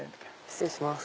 失礼します。